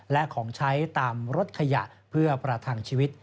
และของใช้ตามรถขยะเพื่อประทังชีวิต